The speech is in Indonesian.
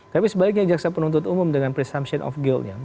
tapi sebaliknya jaksa penuntut umum dengan presumption of guilnya